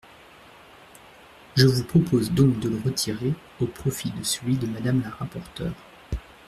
Je vous propose donc de le retirer au profit de celui de Madame la rapporteure.